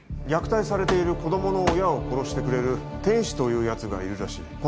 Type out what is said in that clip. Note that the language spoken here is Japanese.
「虐待されている子供の親を殺してくれる天使というやつがいるらしい」